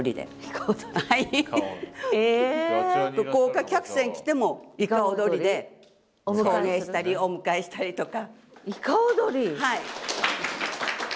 豪華客船来てもいか踊りで送迎したりお迎えしたりとか。